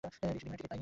বিমানের টিকেট পাইনি।